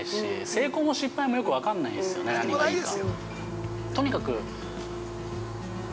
成功も失敗も、よく分かんないですよね、何がいいか。